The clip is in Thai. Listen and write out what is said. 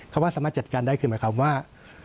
ว่าสามารถจัดการได้คือหมายความว่า